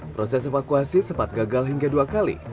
proses evakuasi sempat gagal hingga dua kali